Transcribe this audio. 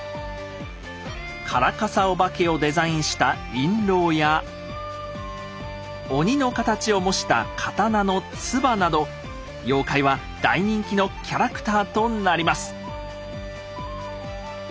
からかさお化けをデザインした印籠や鬼の形を模した刀の鍔など妖怪は大人気のキャラクターとなります。